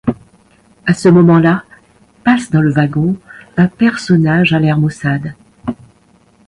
À ce moment-là passe dans le wagon un personnage à l’air maussade.